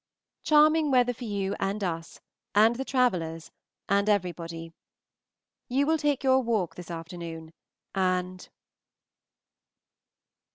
Charming weather for you and us, and the travellers, and everybody. You will take your walk this afternoon, and